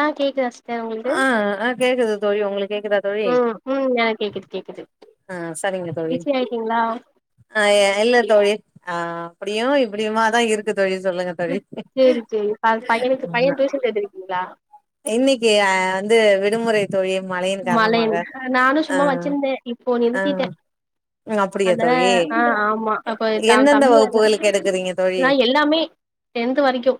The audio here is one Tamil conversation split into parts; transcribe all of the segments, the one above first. ஆ கேக்குதா சிஸ்டர் உங்களுக்கு ஆ அ கேக்குது தோழி உங்களுக்கு கேக்குதா தோழி ம் ம் எனக்கு கேக்குது கேக்குது ஆ செரிங்க தோழி பிஸி ஆயிட்டீங்களா நா அ இல்ல தோழி ஆ அப்டியு இப்டியுமாதா இருக் க்கு தோழி சொல்லுங்க தோழி சேரி சேரி ப பையனுக்கு பைய டியூஷன் சேத்திருக்கீங்களா இன்னைக்கு வந்து விடுமுறை தோழி மழையா மழை நானு சும்மா வச்சிருந்தே இப்போ ஆ நிறுத்திட்டே அப்டியா அத தோழி ஆ ஆமா அப்ப த எந்தெந்த தம்பி வர வகுப்புகளுக்கு எடுக்குறீங்க தோழி ஆ எல்லாமே டென்த்து வரைக்கு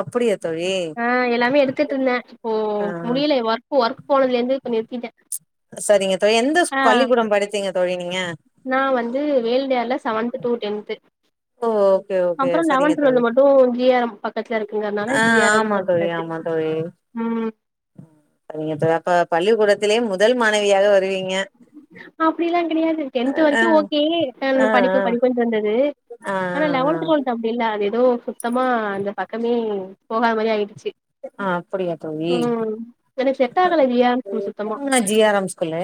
அப்டியா தோழி ஆ எல்லாமே எடுத்துட்டுருந்தே ஓ ஆ முடியில ஒர்க் ஒர்க் போனதுலேருந்து இப்ப நிறுத்திட்டே சரிங்க தோழி எந்த ஸ் பள்ளிக்கூடோ படிச்சீங்க தோழி நீங்க நான் வந்து வேல்னியால seventh to tenth O okay okay அப்றோ சரிங்க லெவன்த் தோழி டுவெல்த் மட்டு ஜி ஆர் எம் பக்கத்துல இருக்குங்கறனால ஆ ஜி ஆர் எம் ஆமா தோழி படிச்சாச்சு ஆமா தோழி ம் சரிங்க தோழி அப்ப பள்ளிக்கூடத்திலேயே முதல் மாணவியா வருவீங்க அப்டிலா கெடையாது டென்த் ஆ வரைக்கு ஓகே அ ஆ படிப்பு படிப்புனு இருந்தது ஆ ஆ ஆனா ஆ லெவன்த் டுவல்த் அப் டி இல்ல அது எதோ சுத்தமா அந்த பக்கமே போகாத மாரி ஆய்டுச்சு ஆ அப்படியா தோழி ம் எனக்கு செட் ஆகல ஜி ஆர் எம் ஸ்கூல் சுத்தமா ஜிஆர் எம் ஸ்கூல்லு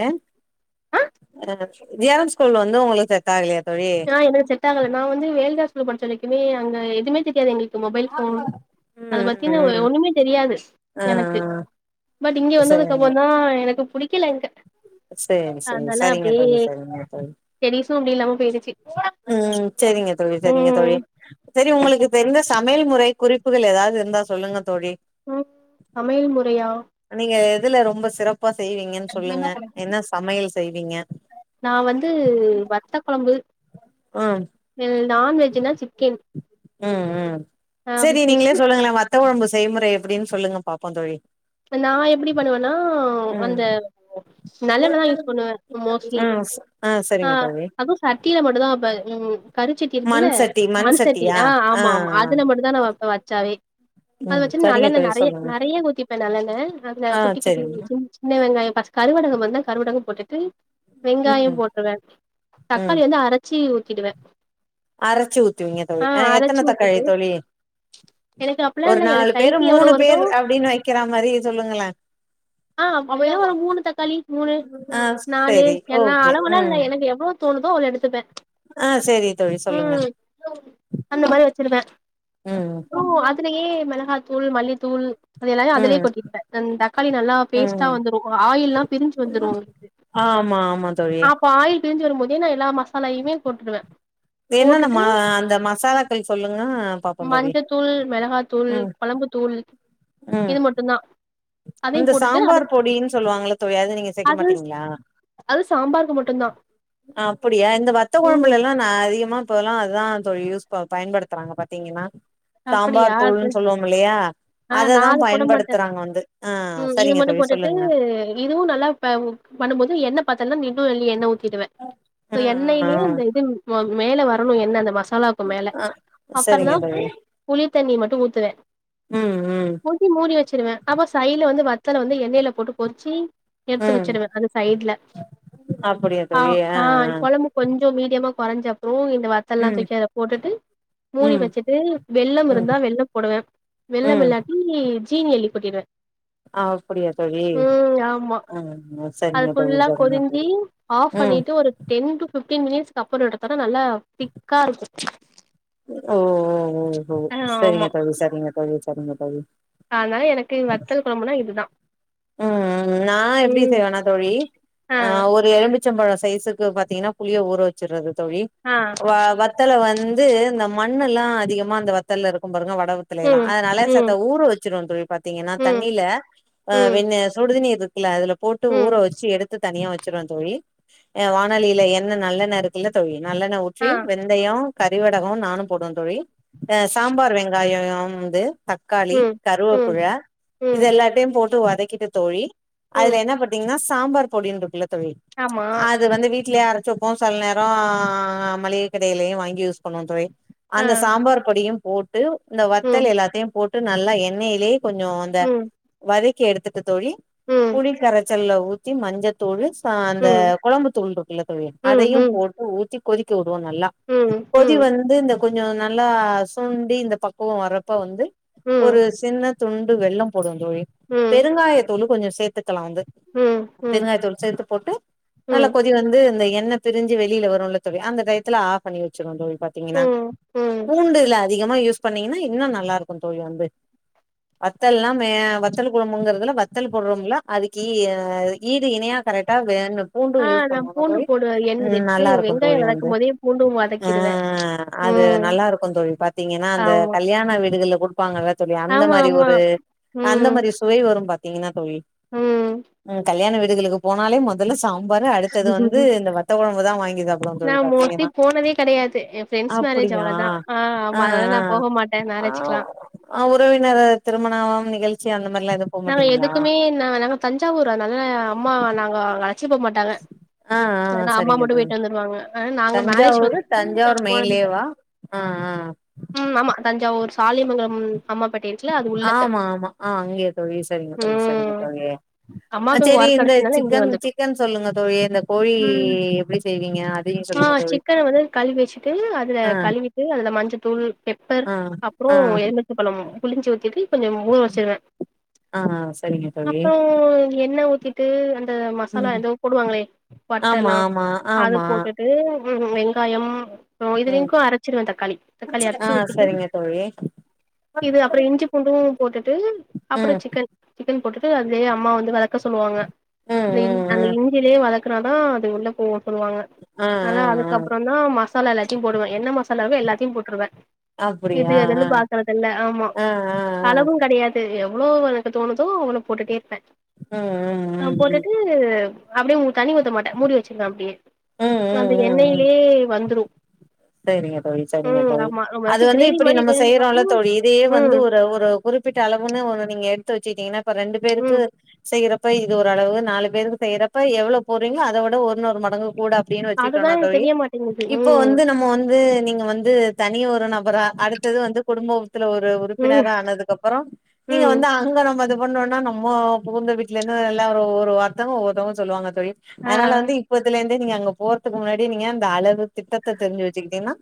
ஆ ஜிஆர் எம் ஸ்கூல் வந்து உங்களுக்கு செட்டா ஆகலையா தோழி ஆ எனக்கு செட் ஆகல நா வந்து வேல்னியா ஸ்கூல்ல படிச்ச வரைகுமே அங்க எதுமே தெரியாது எங்களுக்கு மொபைல் போன் ம் அத பத்தின ம் ம் ஒண்ணுமே தெரியாது ஆ எனக்கு பட் இங்க ஆ வந்ததுக்கு சரிங்க அப்றோதா எனக்கு புடிக்கல இங்க சரிங்க தோழி சரிங்க தோழி தெரிசு அப்டி இல்லாம பொய்டுச்சு ம் சேரிங்க தோழி சேரிங்க தோழி சரி உங்களுக்கு தெரிந்த சமையல்முறை குறிப் புகள் ஏதாவது இருந்தா சொல்லுங்க தோழி ம் சமையல் முறையா நீங்க எதுல ரொம்ப சிறப்பா செய்வீங்கன் சொல்லுங்க என்ன சமையல் செய்வீங்க நா வந்து வத்த கொழம்பு ம் நான்வெஜ்னா சிக்கன் ம் ம் ஆ சேரி ஃபிஷ் நீங்ளே சொல்லுங்களே வத் த்த கொழம்பு செய் முறை எப்டின்னு சொல்லங்க பாப்போ தோழி நா எப்டி பண்ணுவேன்னா ம் அந்த நல்லலெண்ணதா யூஸ் பண்ணுவே மோஸ்லி ம் ஆ சரிங்க தோழி அது சட்டியில மட்டு தா வப்ப ம் கருச்சட்டி இருக்குல்ல மண் சட்டி மண் மண்சட்டி சட்டியா அ ஆ ஆமா ஆ ஆமா அதுல மட்டு தா நா வப்ப வச்சாவே அது ம் வச்சுரு நல்ல சரிங்க தோழி நறைய சொல்லுங்க நறைய ஊத்தி இப்ப நல்லெண்ணே அதுல ஆ குட்டி குட்டி சரிங்க சின் சின்ன வெங்காயோ பஸ்ட்டு கருவடகோ இருந்த கருவடகோ போட்டுட்டு வெங்காயோ ம் போட்டுருவே ம் தக்காளி வந்து அரச்சி ஊத்திடுவே அரைச்சு ஊத்துவிங்க ஆ தோழி அ அரச்சி எத்தன தக்காளி ஊத்திட்டு தோழி எனக்கு அப்பல்லா ஒரு இல்ல எனக்கு நாலு பேர் கைக்கு எவ்ளோ மூணு வருதோ பேர் அப்டின்னு வைக்கிற மாரி சொல்லுங்களே ஆ அப்டினா ஒரு மூணு தக்காளி மூணு ஆ நாலு சரி எல்லா ஓகே அளவுல்லா இல்ல ம் எனக்கு எவ்ளோ தோணுதோ அவ்ளோ எடுத்துப்பே ஆ சரி தோழி சொல்லுங்க ம் அந்த மாதிரி வச்சிருவே ம் அதுலியே மிளகா தூள் மல்லித்தூள் அது எல்லாமே அதுலியே ம் கொட்டிருவே தக்காளி நல்லா பேஸ்டா ம் வந்துரு ஆயில்லா பிரிஞ்சு வந்துரு ஆமா ஆமா தோழி இப்ப ஆயில் பிரிஞ்சு வரும்போதே நா எல்லா மசாலயுமே போட்ருவே என்னென்ன போட்டுட்டு ம அந்த மசாலாக்கள் சொல்லுங்க பாப்போ தோழி மஞ்சத்தூள் மெளகாத்தூள் ம் கொழம்புத்தூள் ம் இது மட்டுந்தா அதையு அந்த போட்டுட் சாம்பார் பொடின் சொல்லுவாங்கல்ல தோழி அது நீங்க சேக்க மாட்டீங்ளா அது சாம்பார் அப்படியா இந்த வத்த ம் கொழம்புலல்லா நா அதிகமா இப்போ எல்லா அதுதா தோழி யூஸ் ப பயன்படுத்துறாங்க பாத்தீங்கன்னா அப்படியா சாம்பார் அது தூளுன் சொல்லுவோமில்லையா ஆ நா அததா அது போட மாட்டே பயன்படுத்துறாங்க வந்து ஆ செரிங்க தோழி சொல்லுங்க ஆ இதுவு நல்லா ப பண்ணும்போது எண்ணெ பத்தல்னா நீ ன்னு அள்ளி எண்ணெ ஊத்திடுவே ஆ சோ ஆ எண்ணெய்லே அந்த இது ம மேல வரணு எண்ணெ அந்த மசா சாலாவுக்கு மேல ஆ ஆ சரிங்க அப்பறந்தா தோழி புளித்தண்ணி மட்டு ஊத்துவே ம் ம் ஊத்தி மூடி வெச்சிருவேஅப்ப சைல வந்து வத்தல வந்து எண்ணெயில போட்டு பொறிச்சி எட்த்து ம் வெச்சிருவே அந்த சைட்ல அ ஆ கொழம்பு கொஞ்சோ மீடியமா கொறஞ்ச அப்புறோ இந்த வத்தல்லா ம் தூக்கி அதல போட்டுட்டு மூடி ம் வெச்சு ட்டு வெல்லம் ம் இருந்தா வெல்லம் போடுவே வெல்லம் ம் இல்லாட்டி ஜீனி அள்ளி கொட்டிடுவே அப்படியா தோழி ம் ஆமா ஆ அது சரிங்க தோழி ஃபுல்லா சரிங்க கொதிஞ்சி தோழி ஆஃப் ம் பண்ணிட்டு ஒரு டென் டு ஃபிஃப்டீன் மினிட்ஸ்க்கு அப்புறோ எடுத்தோனா நல்லா திக்கா இருக்கு ஓ ஓ ஓ ஓ ஆ ஆமா செரிங்க தோழி செரிங்க தோழி சரிங்க தோழி அதனால எனக்கு வத்தல் குழம்புனா இதுதா ம் ம் நா எப்டி ம் செய்வேனா தோழி ஆ ஒரு எலும்பி ச்சம்பழ சைசுக்கு பாத்தீங்கன்னா புளிய ஊற வெச்சறது தோழி ஆ வ வத் தல வந்து இந்த மண்ணெல்லா அதிகமா அந்த வத்தல்ல இருக்கு பாருங்க வட கத்துலேலா ம் அதனால ம் செத்த ஊற வீச்சிருவே தோழி பாத்தீங்கன்னா ம் தண்ணியில அ ம் வெந் சுடுதண்ணீர் இருக்குல அதுல போட்டு ஊற ம் வெச்சு எடுத் த்து தனியா வெச்சுருவே தோழி அ வானலியில எண்ணெ நல்லெண்ணெ இருக்குல்ல தோழி நல்லெண்ணெ ஊத் ற்றி ஆ வெந்தயோ கறிவடகோ நானும் போடுவே தோழி அ சாம்பார் வெங்காயோ ம் வந்து தக்காளி ம் ம் கருவேப்புல இது ம் எல்லாத்தயு போட்டு வதக்கிட்டு தோழி அதுல ம் என்ன பா த்தீங்னா சாம்பார் பொடின்ருக்குல்ல தோழி ஆமா அது வந்து வீட்லே அரச்சு ப்போ சல் நேரோ மளிக கடையிலயு வாங்கி யூஸ் பண்ணுவோ தோழி ஆ அந்த சாம்பார் பொடியும் போட்டு இந்த வத்தல் ம் எல்லாத்தயும் போட்டு நல்லா எண்ணெயிலே கொஞ்சோ அந்த ம் வதக்கி எடுத்துட்டு தோழி ம் புளி கரைச்சல்ல ஊ த்தி மஞ்ச தூளு ச அந்த ம் கொழம்பு தூள்ட்ருக்குல தோழி ம் ம் அதயும் ம் போட்டு ஊத் கொதிக்க விடுவோ நல்லா ம் கொதி ம் வந்திந்த கொஞ்சோ நல்லா சுண்டி இந்த பக்குவோ வரப்ப வந்து ஒரு ம் சின்ன துண்டு வெல்லம் போடுவேந்தோழி ம் பெருங்காயத்தூளு கொஞ்சோ சேத்துக்கலா வந்து ம் பெருங்காயத்தூள் சேத்து போட்டு நல்ல ம் கொதி வந்து இந்த எண்ணெ பிரிஞ்சு வெளில வருல்ல தோழி அந்த டயத்துல ஆஃப் பண்ணி வெச்சுருவோ தோழி பாத்தீங்கின்னா ம் ம் பூண்டுல அதிகமா யூஸ் பண்ணீங்கின்னா இன்னு நல்லா இருக்கு தோழி வந்து வத்தல்லா எ வத்தலு [unintelligible] கறதுல வத்தல் போடுறோம்ல அதுக்கு இ ஈடு இணையா கரெட்டா வேணு பூண்டு ஆ யூஸ் நா பண்ணுனா பூண்டு தோழி போடுவே எண்ணெய்ல எடுத்து நல்லாருக்கு வெங்காயோ தோழி வந்து வதக்கும் போதே பூண்டு ஆ வதக்கிடுவே அது ம் நல்லா இருக்கு தோழி பாத்தீங்கின்னா அந்த ஆமா கல்யாண வீடுகள்ல குடுப்பாங்கல்ல தோழி அந்த ஆமா மாரி ஆமா ஒரு அந்த ம் மாரி சுவை வரும் பாத்தீங்கன்னா தோழி ம் ம் கல்யாண வீடுகளுக்கு போனாலே மொ மொதல்ல சாம்பாரு அடுத்தது வந்து இந்த வத்தக் கொழம்புதா வாங்கி சாப்டுவோ நா தோழி மோஸ்ட்லி பாத்தீங்கன்னா போனதே கெடையாது என் ஃப்ரெண்ட்ஸ் மேரேஜ் அப்படியா அவ்ளோதா ஆ ஆமா அதனால நா போக மாட்டே ஆ‌ மேரேஜ்க்குலா ‌ஆ ஆ உறவினர் திருமணம் நிகழ்ச்சி அந்த மாரிலா எது நாங்க எதுக்குமே நா நாங்க தஞ்சாவூர் அதனால அம்மா நாங்க அங்க அழைச்சிட்டு போ மாட்டாங்க ஆ ஆ செரின்னு அம்மா சரிங்க மட்டு தோழி போயிட்டு வந்துருவாங்க ஆ நாங்க மேரேஜ் தஞ்சாவூரு ஃபங்க்ஷனுக்கு தஞ்சாவூர் நாங்க போனதில்ல மெயின்லேவா ஆ ஆ ம் ஆமா தஞ்சாவூர் சாலியமங்கலம் அம்மாபேட்டை இருக்குல்ல அது உள்ளக்க ஆமா ஆமா ஆ அங்கயா தோழி சரிங்க தோழி சரிங்க ம் தோழி ஆ அம்மாக்கு அங்க சேரி ஒர்க் இந்த கெடச்சனால இங்க சிக்கன் வந்துட்டோ சிக்கன் சொல்லுங்க தோழி இந்த கோழி ம் எப்டி செய்வீங்க அதையு ஆ சொல்லுங்க தோழி சிக்கன வந்து கழுவி வச்சுட்டு அதுல ஆ கழுவிட்டு அதுல மஞ்சத்தூள் பெப்பர் ஆ அப்றோ ஆ எலுமிச்சம்பழம் புழுஞ்சு ஊத்திட்டு கொஞ்ச ஊற வச்சுருவ ஆ சரிங்க தோழி அப்றோ எண்ணெ ஊத்தி ட்டு அந்த ம் மசாலா ஏதோ போடுவாங்களே ஆமா பட்டலா ஆமா அத ஆமா போட்டு ட்டு ம் வெங்காயம் ம் இதுலிக்கு அரச்சிருவ தக்காளி தக்காளி ஆ அரைச்சு ஊத்திட்டு சரிங்க தோழி ம் இது அப்புற இஞ்சி பூண்டும் போட்டுட்டு அப்புற ம் சிக்கன் சிக்கன் போட்டுட்டு அதுலேயே அம்மா வந்து வதக்க சொல்லுவாங்க அந்த இஞ் ம் அந்த ம் இஞ் ஞ்சிலயே வதக்குனாதா அது உள்ள போவு சொல்லுவாங்க ஆ ஆ அதனால ஆ அதுக்கப்புறம் ன்னா மசாலா எல்லாத்தையு போடுவ என்ன மசாலா இருக்கோ எல்லாத்தையு போட்டுருவ இது அப்டியா அதுன்னு பாக்கறத இல்ல ஆமா ஆ ஆ ஆ ஆ அளவும் கெடையாது ஏ எவ்வளோ எனக்கு தோணுதோ அவ்வளோ போட்டுட்டே இருப்ப ம் நா ம் ம் போட்டுட்டு ட்டு அப்டியே ஊ தண்ணி ஊத்த மாட்ட மூடி வச்சிருவ அப்டியே ம் ம் ம் அந்த எண்ணெயிலே வந்துரு செரிங்க தோழி சரிங்க ம் தோழி ஆமா நம்ம அது எதாச்சு வந்து கிரேவி இப்டி மாரி நம்ம வேணுனா செய்யறோம்ல மட்டு தோழி இதையே வந்து ம் ஒரு ஒரு குறிப்பிட்ட அளவுன்னு நீங்க ஒன்னு நீங்க எடுத்து வச்சுட்டீங்கன்னா இப்ப ரெண்டு பேருக்கு ம் செய்யறப்ப இது ஓரளவுக் நாலு பேருக்கு செய்யறப்ப எவ்வளோ போட்றீங்களோ அத விட ஒன்னொரு மடங்கு கூட அப்டின்னு அதுதா வச்சுட்டோன்னா எனக்கு தோழி தெரிய மாட்டேங்குது இப்ப ம் வந்து நம் மோ வந்து நீங்க வந்து தனி ஒரு நபரா அடுத்தது வந்து குடும்பத்துல ஒரு ம் உறுப்பினரா ஆனதுக்கு அப்புறம் நீங்க ம் வந்து அங்க நம்ம இது பண்ணோம்னா நம்ம புகுந்த வீட்ல இருந்து எல்லா ஒரு ஒரு ஒருத்தங்க ஒவ்வொருத்தங்க சொல்லுவாங்க தோழி ஆ அதனால வந்து இப்பத்துலேருந்தே நீங்க அங்க போறதுக்கு முன்னாடி நீங்க அந்த அளவு திட்டத்த தெரிஞ்சு வச்சுக்கிட்டீங்கன்னா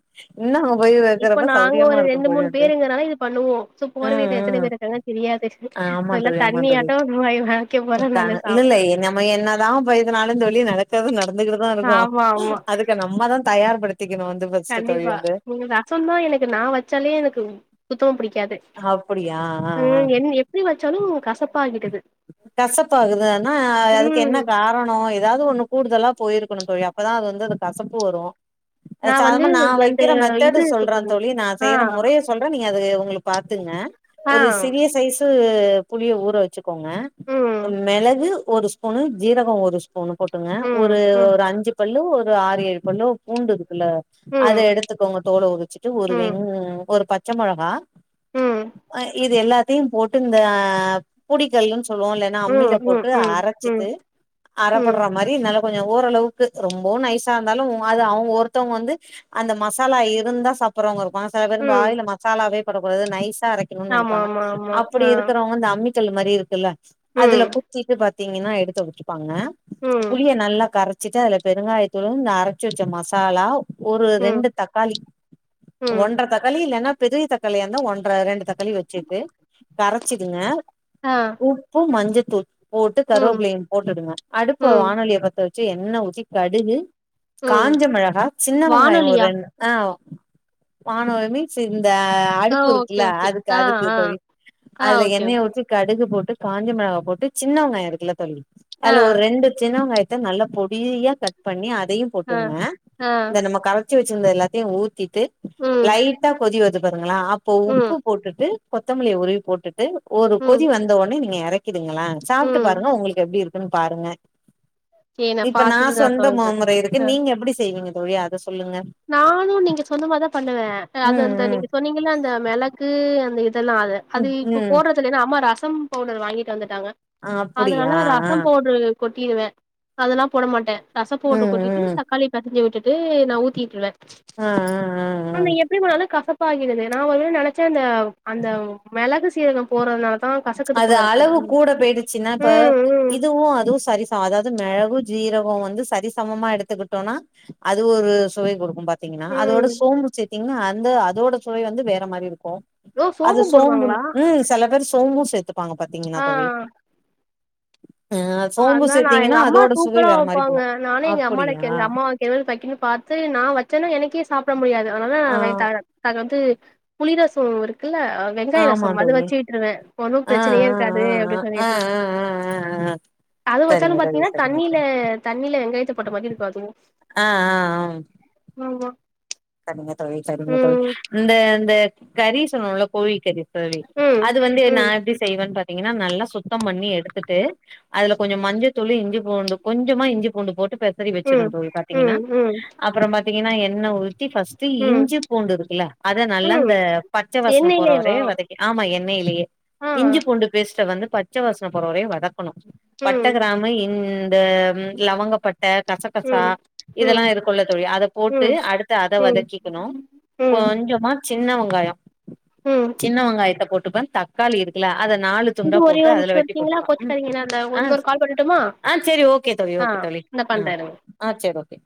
இன்னு போய் இப்ப வக்கறப்ப நாங்க சௌரியமா ஒரு இருக்கு ரெண்டு தோழி மூணு அது பேருங்கறனால இது பண்ணுவோ சோ போற ம் வீட்ல எத்தன ம் பேர் இருக்காங்கன்னு தெரியாது சோ ஆமா எல்லா தோழி ஆமா தோழி தண்ணியாட்டோ வாய் வைக்க போறே அக்கா நானு இல்ல சாப்ட இல்ல நம்ம என்ன தா போய் எதுனாலு தோழி நடக்கறது நடந்துக்கிட்டுதா இருக்கு ஆமா ஆமா அதுக்கு நம்ம தா தயார் படுத்திக்கணு அது ஃபஸ்ட்டு தோழி அது சொன்னா எனக்கு நா வச்சாலே எனக்கு புத்தக பிடிக்காது அப்படியா ஆ ஆ எப்டி வச்சாலு கசப்பாகிடுது கசப்பாகுதுனா அதுக்கு என்ன ம் கார் ணோ ஏதாவது ஒண்ணு கூடுதலா போயிருக்கணு தோழி அப்பதா அது வந்து அந்த கசப்பு வரு அது வந்து சாதாரணமா நா அந்த வக்கிற மெத்தேடு இது இருக்கு சொல்ற பாருங்க தோழி நா ஆ செய்ற முறையை சொல்ற நீங்க அது உங்களுக்கு பாத்துக்குங்க ஆ ஒரு சிறிய சைஸு புளிய ஊற வச்சுக்கோங்க ம் மெளகு ஒரு ஸ்பூனு ஜீரகம் ஒரு ஸ்பூனு போட்டுங்க ம் ஒரு ம் ஒரு அஞ்சு பல்லு ஒரு ஆறு ஏழு பல்லு பூண்டு இருக்குல்ல அத ம் எடுத்துக்கோங்க தோல உரிச்சிட்டு ஒரு ம் வெங் ஒரு பச்ச மொளகா ம் அ இது எல்லாத்தையும் போட்டு இந்த புடி கல்லுன் சொல்வோ இல்லனா ம் அம்மில ம் போட்டு ம் ம் அரச்சிட்டு அர ம் பர்ற மாரி கொஞ்ச ஓரளவுக்கு ரொம்பவும் நைசா இருந்தாலும் அது அவங்க ஒருத்தவங்க வந்து அந்த மசாலா இருந்தா சாப்பிறவங்க இருப்பாங்க சில பேரு ம் வாயில மசாலாவே படக்கூடாது நைசா அரைக் கனு ஆமா நெனப்பாங்க ஆமா ஆமா ஆ அப்படி இருக்கிறவங்க இந்த அம்மி கல்லு மாரி இருக்குல்ல அதுல ம் குத்திட்டு பாத்தீங்கன்னா எடுத்து வச்சுப்பாங்க ம் புளிய நல்லா கரச்சிட்டு அதுல பெருங்காயத்தூளும் இந்த அரச்சு வச்ச மசாலா ஒரு ம் ரெண்டு தக்காளி ம் ஒன்ற தக்காளி இல்லன்னா பெதுகு தக்காளியா இருந்தா ஒன்ற ரெண்டு தக்காளி வச்சிட்டு கரச்சிடுங்க ஆ உப்பு மஞ்சத்தூள் போட்டு ம் கறுவேப்லயும் போட்டுடுங்க அடுப்ப ம் வானொலிய பத்த வச்சு எண்ணெ ஊத்தி கடுகு ம் காஞ்ச மிளகா சின்ன வெங்காயம் ஒரு வானொலியா ரெண்டு அ வாணலி மீன்ஸ் இந்த ஆ அடுப்பு ஓகே இருக்குல்ல ஓகே அதுக்கு ஆ அதுக்கு ஆ தோழி ஆ அதுல ஓகே எண்ணெய ஓகே ஊத்தி கடுகு போட்டு காஞ்ச மிளகா போட்டு சின்ன வெங்காயம் இருக்குல தோழி ஆ அதுல ஒரு ரெண்டு சின்ன வெங்காய த்த நல்லா பொடியா கட் பண்ணி அதையும் ஆ போட்டுங்க ஆ இந்த நம்ம கர ச்ச வச்சிருந்த எல்லாத்தையும் ஊத்திட்டு ம் லைட்டா கொதி வருது பாருங்களா அப்போ ம் உப்பு போட்டுட்டு கொத்தமல்லிய உருவி போட்டுட்டு ஒரு கொதி ம் வந்த ஒன்னே நீங்க எறக்கிடுங்களே சாப்ட்டு ம் பாருங்க உங்களுக்கு எப்டி இருக் குன் பாருங்க சரி இப்ப நா பாத்துட்டு சொந்த சொல்றே மாமுறை இருக்கு நீங்க எப்டி செய்வீங்க தோழி அத சொல்லுங்க நானும் நீங்க சொன்ன மார் தா பண்ணுவ அது ம் அந்த ம் நீங்க சொன்னீங்கள அந்த மெளகு அந்த இத் து தின்னாது அது ம் இப்ப ம் போட்றது இல்லன்னு அம்மா ரசம் பவுடர் வாங்கிட்டு வந்துட்டாங்க அதனால அப்டியா ஆ ரசம் பவுட்ரு கொட்டிடுவ அதெல்லா போட மாட்ட ரசம் பவுட்ரு ம் கொட்டிட்டு ம் தக்காளி பெசஞ்சி விட்டுட்டு நா ஊத் திடுவ ஆ ஆ ஆ ஆ ஆனா எப் டி பண்ணாலும் கசப்பா ஆகிறது நா ஒருவேள நெனச்ச அந்த அந்த மெளகு சீர்கம் போறதுனால தா கசக்குது அது போல இருக்கு அளவு கூட போயிடுச்சுன்னா இப்ப ம் ம் இதுவும் அதுவும் சரி அதாவ்து மெளகும் ஜீரகம் வந்து சரி சமமா எடுத்துக்கிட்டோனா அது ஒரு சுவை குடுக்கும் பத் த்தீங்ன்னா அதோட ம் சோம்பு சேத்தீங்ன்னா அந்த அதோட சுவை வந்து வேற மாரி இருக்கும் ஓ சோம்பு போடுவாங்களா ம் சில பேர் சோம்பும் சேத்துப்பாங்க பாத்தீங்கன்னா ஆ தோழி ஆ சோம்பு அதா நா எங்க சேத்தீங்கன்னா அம்மா அதோட சுவை சூப்பரா வேற மாரி வெப்பாங்க போகு நானே எங்க அம்மா அப்படியா லைக் எங்க அம்மா எவ்ளோ வைக்கன்னு பாத்து நா வச்சன்னா எனக்கே சாப்பிட முடியாது அதனாலா ஆ நா என் க அது வந்து புளிரசம் இருக்குல்ல வெங்காய ஆமா ரசம் அத தோழி வெச்சு விட்ருவ ஒன்னும் ஆ பிரச்சனயே ஆ இருக்காது ஆ அப்டின் ஆ ஆ ஆ சொல்லிட்டு ஆ அ ஆ அது சரிங்க வச்சாலும் தோழி பாத்தீங்ன்னா சரிங்க தண்ணியில தோழி தண்ணில வெங்காயத்த போட்ட மாதிரி இருக்கும் அதுவும் அ அ அ நீ தா சரிங்க தோழி சரிங்க தோழி இந்த இந்த கறி சொன்னோல கோழி கறி தோழி ம் அது வந்து நா ம் எப்டி செய்வேன் பாத்தீங்கன்னா நல்லா சுத்தம் பண்ணி எடுத்துட்டு அதுல கொஞ்சம் மஞ்சத்தூளு இஞ்சி பூண்டு கொஞ்சமா இஞ்சி பூண்டு போட்டு பெசறி வச்சிடுவ ம் தோழி பாத்தீங்கின்னா ம் ம் அப்பறோ பாத்தீங்கன்னா எண்ண ஊ த்தி ஃபஸ்ட்டு ம் இஞ்சி பூண்டு இருக்குல அத நல்லா ம் இந்த பச்ச வாசன எண்ணெய்லேவா போறவரையு வதக் ஆமா எண்ணைலயே ஆ இஞ்சி பூண்டு பேஸ்ட வந்து பச்சவாசன போறவரையு வதக்கணு பட்ட ம் கிராமு இந்த லவங்கப்பட்ட கசக்கசா ம் ம் இதல்லா ம் இருக்குள்ள தோழி அத போட்டு ம் அடு அத வதக்கிக்கணு ம் கொஞ் சமா சின்ன வெங்காயோ ம் சின்ன வெங்காயத்த போட்டுதா தக்காளி இரு க்குல அத நாலு இது துண்டா ஒரே போட்டு ஒரு அதுல நிமிஷோ வெட்டி இருக்கீங்களா போட்டுப்பா ம் கோச்சுக்காதீங்க நா இந்த ஆ இன்னொரு கால் பண்ணட்டுமா ஆ சேரி ஓகே தோழி ஆ ஓகே தோழி இந்த அ பண்றே இருங்க ஆ சேர் ஓகே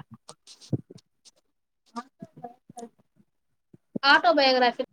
ஆட்டோ பயோக்ராஃபி